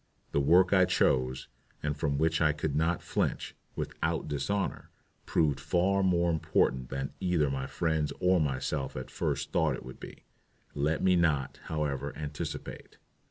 The work I chose, and from which I could not flinch without dishonor, proved far more important than either my friends or myself at first thought it would be. Let me not, however, anticipate.